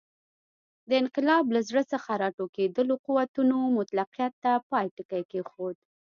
د انقلاب له زړه څخه راټوکېدلو قوتونو مطلقیت ته پای ټکی کېښود.